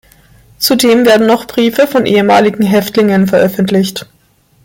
Zudem werden auch Briefe von ehemaligen Häftlingen veröffentlicht.